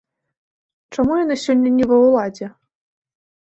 Чаму яны сёння не ва ўладзе?